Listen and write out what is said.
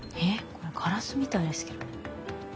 これガラスみたいですけど。